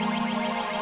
terima kasih pak